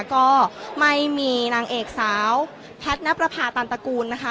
ก็ไม่มีนางเอกสาวแพทย์นับประพาตันตระกูลนะคะ